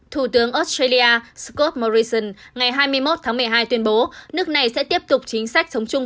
thủ tướng australia scott morrison ngày hai mươi một tháng một mươi hai tuyên bố nước này sẽ tiếp tục chính sách sống chung